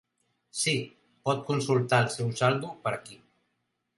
Si, pot consultar el seu saldo per aquí.